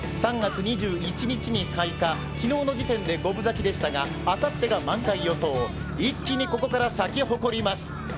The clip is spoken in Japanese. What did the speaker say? ３月２１日に開花、昨日の時点で五分咲きでしたが、あさってが満開予想、一気に咲き誇ります。